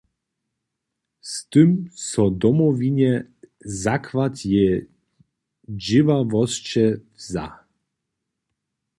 Z tym so Domowinje zakład jeje dźěławosće wza.